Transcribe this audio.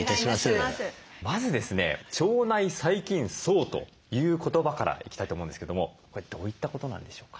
まずですね「腸内細菌叢」という言葉からいきたいと思うんですけどもこれどういったことなんでしょうか？